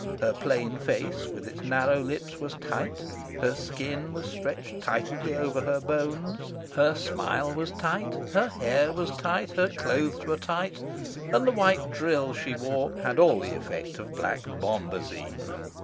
Her plain face with its narrow lips was tight, her skin was stretched tightly over her bones, her smile was tight, her hair was tight, her clothes were tight, and the white drill she wore had all the effect of black bombazine.